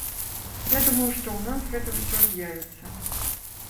Я думаю, што ў нас гэта ўсё з'явіцца.